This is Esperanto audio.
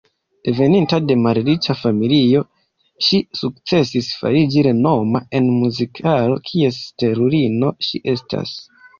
Deveninta de malriĉa familio, ŝi sukcesis fariĝi renoma en muzik-halo, kies stelulino ŝi estas.